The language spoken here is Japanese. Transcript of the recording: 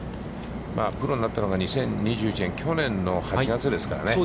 プロになったのが２０２１年、去年の８月ですからね。